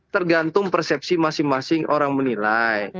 tergantung persepsi masing masing orang menilai